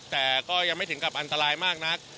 แต่ก็ยังไม่ถึงกับอันตรายมากนัก